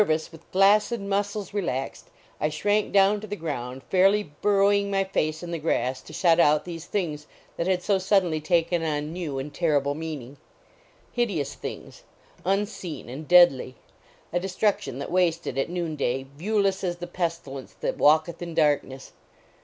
I LAUREL AM) CYPRESS Nerveless, with flaccid muscles relaxed, I shrank down to the ground, fairly burrow ing my face in the grass to shut out these things that had so suddenly taken on new and terrible meaning. Hideous things; unseen and deadly; a destruction that wasted at noon day, viewless as the pestilence that walketh in darkness.